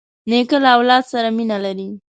نیکه له اولاد سره مینه لري.